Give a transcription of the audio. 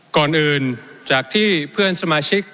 ก่อนอื่นจากที่เพื่อนสมาชิก